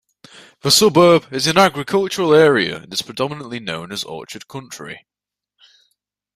The suburb is an agricultural area and is predominantly known as orchard country.